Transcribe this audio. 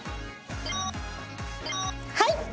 はい！